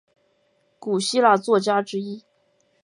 古希腊作家之一。